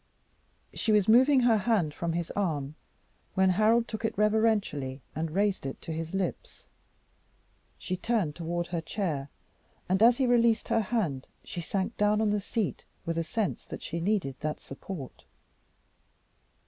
She was moving her hand from his arm, when Harold took it reverentially and raised it to his lips. She turned toward her chair, and as he released her hand she sank down on the seat with a sense that she needed that support.